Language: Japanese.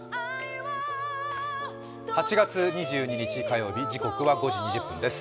８月２２日火曜日、時刻は５時２０分です。